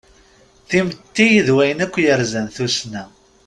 Timetti d wayen akk yerzan tussna.